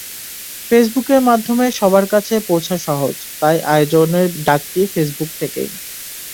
ফেসবুকের মাধ্যমে সবার কাছে পৌঁছা সহজ, তাই আয়োজনের ডাকটি ফেসবুক থেকেই।